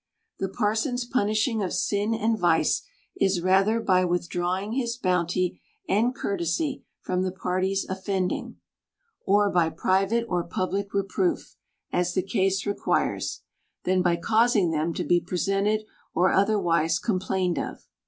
The parson's punishing of sin and vice, is rather by with drawing his bounty and courtesy from the parties of fending, or by private or public reproof, as the case requires, than by causing them to be presented or oth erwise complained of.